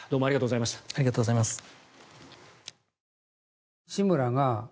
ありがとうございます。